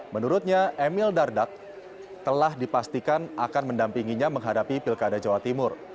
menurutnya emil dardak telah dipastikan akan mendampinginya menghadapi pilkada jawa timur